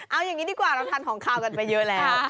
เอาอย่างนี้ดีกว่าเราทานของขาวกันไปเยอะแล้ว